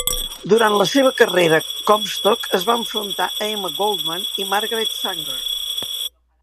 Durant la seva carrera, Comstock es va enfrontar a Emma Goldman i Margaret Sanger.